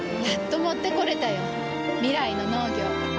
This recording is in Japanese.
やっと持ってこれたよ。未来の農業。